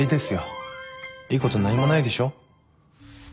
いいこと何もないでしょ？